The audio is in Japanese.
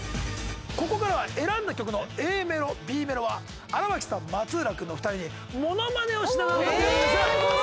ここからは選んだ曲のＡメロ・Ｂメロは荒牧さん松浦君のお二人にモノマネをしながら歌って頂きます。